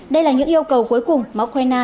đây là những yêu cầu cuối cùng mà ukraine